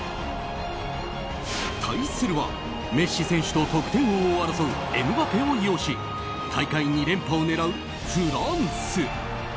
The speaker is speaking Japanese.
対するはメッシ選手と得点王を争うエムバペを擁し大会２連覇を狙うフランス。